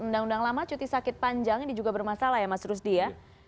undang undang lama cuti sakit panjang ini juga bermasalah ya mas rusdi ya